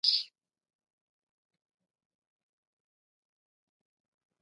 د ټولو بدمرغیو ریښه د پیسو کموالی دی.